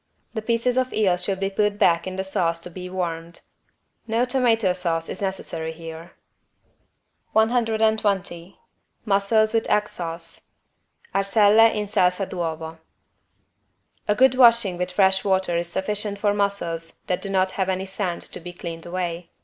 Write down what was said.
The pieces of eel should be put back in the sauce to be warmed. No tomato sauce is necessary here. 120 MUSSELS WITH EGG SAUCE (Arselle in salsa d'uovo) A good washing with fresh water is sufficient for mussels that do not have any sand to be cleaned away.